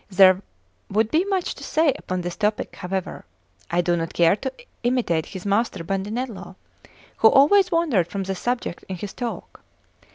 There would be much to say upon this topic; however, I do not care to imitate his master, Bandinello, who always wandered from the subject in his talk.